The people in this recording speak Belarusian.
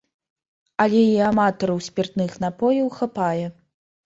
Але і аматараў спіртных напояў хапае.